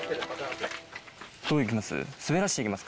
どう行きます？